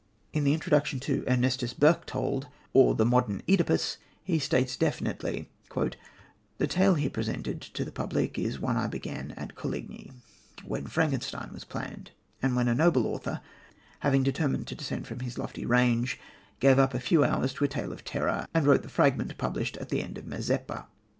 In the introduction to Ernestus Berchtold, or the Modern OEdipus, he states definitely: "The tale here presented to the public is one I began at Coligny, when Frankenstein was planned, and when a noble author, having determined to descend from his lofty range, gave up a few hours to a tale of terror, and wrote the fragment published at the end of Mazeppa."